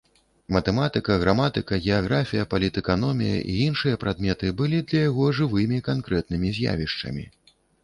Матэматыка, граматыка, геаграфія, палітэканомія і іншыя прадметы былі для яго жывымі, канкрэтнымі з'явішчамі.